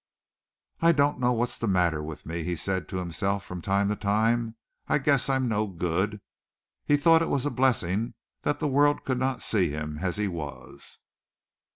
"I don't know what's the matter with me," he said to himself from time to time. "I guess I'm no good." He thought it was a blessing that the world could not see him as he was.